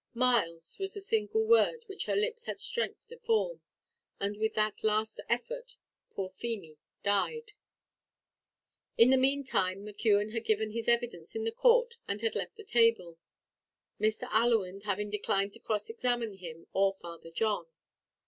"Myles" was the single word which her lips had strength to form; and with that last effort poor Feemy died. In the meantime McKeon had given his evidence in the court and had left the table Mr. Allewinde having declined to cross examine either him or Father John.